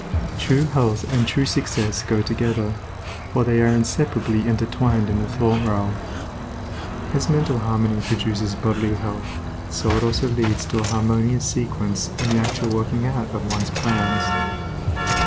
True health and true success go together, for they are inseparably intertwined in the thought realm. As mental harmony produces bodily health, so it also leads to a harmonious sequence in the actual working out of one's plans.